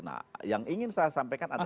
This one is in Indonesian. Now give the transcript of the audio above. nah yang ingin saya sampaikan adalah